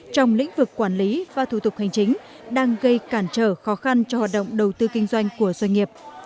trong lĩnh vực quản lý và thủ tục hành chính đang gây cản trở khó khăn cho hoạt động đầu tư kinh doanh của doanh nghiệp